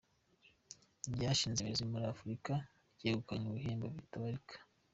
Ryashinze imizi muri Afurika, ryegukanye ibihembo bitabarika.